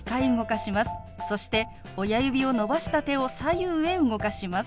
そして親指を伸ばした手を左右へ動かします。